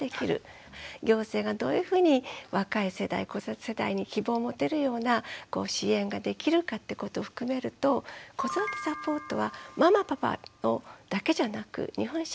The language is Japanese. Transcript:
行政がどういうふうに若い世代子育て世代に希望を持てるような支援ができるかってことを含めると子育てサポートはママパパだけじゃなく日本社会全体の問題だと思うんですね。